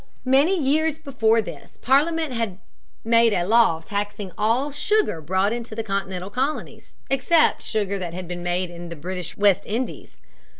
Many years before this, Parliament had made a law taxing all sugar brought into the continental colonies, except sugar that had been made in the British West Indies.